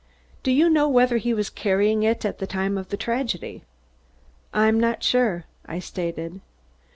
"Do you know whether he was carrying it at the time of the tragedy?" "I'm not sure," I stated.